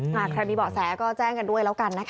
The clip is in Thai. ถ้ามีบอกแสก็แจ้งกันด้วยแล้วกันนะคะ